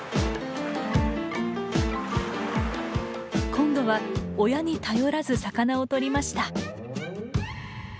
今度は親に頼らず魚を取りました。